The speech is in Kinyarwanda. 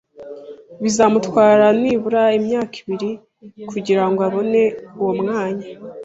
Bizamutwara nibura imyaka ibiri kugirango abone uwo mwanya.